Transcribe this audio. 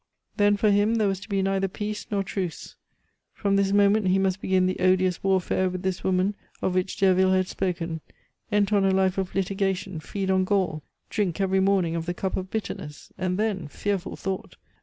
Then for him there was to be neither peace nor truce. From this moment he must begin the odious warfare with this woman of which Derville had spoken, enter on a life of litigation, feed on gall, drink every morning of the cup of bitterness. And then fearful thought!